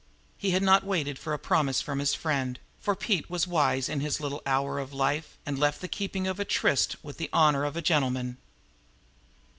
He had not waited for a promise from his friend, for Pete was wise in his little hour of life and left the keeping of a tryst with the honor of a gentleman.